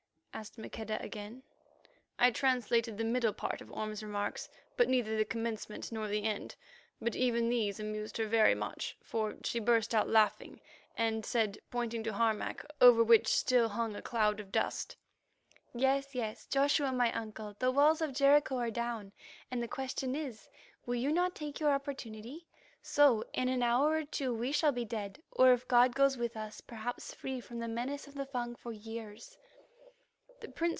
asked Maqueda again. I translated the middle part of Orme's remarks, but neither the commencement nor the end, but even these amused her very much, for she burst out laughing, and said, pointing to Harmac, over which still hung a cloud of dust: "Yes, yes, Joshua, my uncle, the walls of Jericho are down, and the question is, will you not take your opportunity? So in an hour or two we shall be dead, or if God goes with us, perhaps free from the menace of the Fung for years."